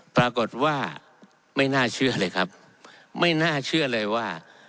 ปรากฏว่าไม่น่าเชื่อเลยครับไม่น่าเชื่อเลยว่า